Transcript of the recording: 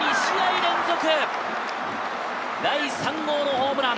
２試合連続、第３号のホームラン！